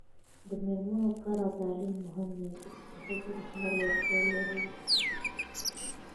د میرمنو کار او تعلیم مهم دی ځکه چې ښځو رهبري وړتیا لوړوي.